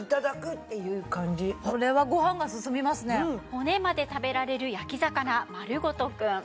骨まで食べられる焼き魚まるごとくん。